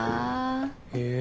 へえ。